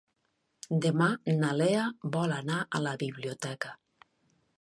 Demà na Lea vol anar a la biblioteca.